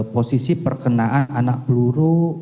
posisi perkenaan anak peluru